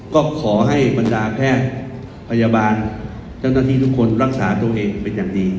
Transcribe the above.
ก็ขอให้บรรดาแพทย์พยาบาลเจ้าหน้าที่ทุกคนรักษาตัวเองเป็นอย่างดี